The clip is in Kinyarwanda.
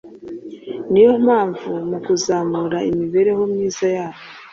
niyo mpamvu mu kuzamura imibereho myiza yabo